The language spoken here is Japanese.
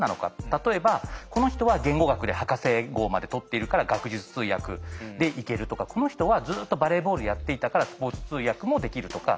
例えばこの人は言語学で博士号まで取っているから学術通訳でいけるとかこの人はずっとバレーボールやっていたからスポーツ通訳もできるとか。